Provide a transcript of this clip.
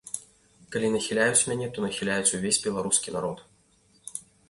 Калі нахіляюць мяне, то нахіляюць увесь беларускі народ.